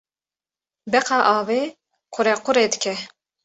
Beqa avê qurequrê dike.